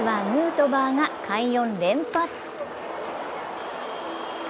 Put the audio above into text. まずは、ヌートバーが快音連発。